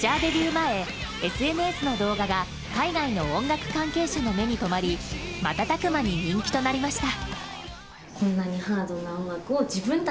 前ＳＮＳの動画が海外の音楽関係者の目に留まり瞬く間に人気となりました。